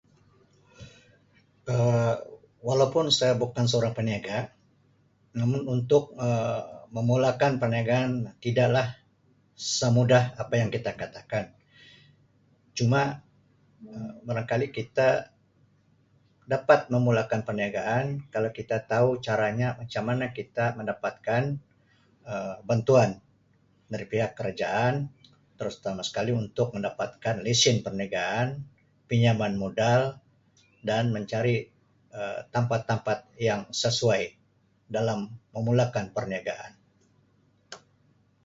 Walaupun saya bukan seorang peniaga namun untuk Um memulakan perniagaan tidak lah semudah apa yang kita katakan cuma Um barangkali kita dapat memulakan perniagaan kalau kita tau caranya macam mana kita mendapatkan Um bantuan dari pihak kerajaan terutama sekali untuk mendapatkan lesen perniagaan, pinjaman modal dan mencari Um tampat-tampat yang sesuai dalam memulakan perniagaan.